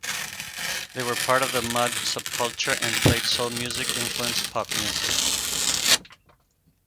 They were part of the mod subculture, and played soul music-influenced pop music.